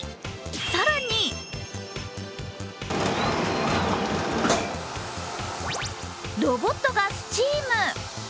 更にロボットがスチーム。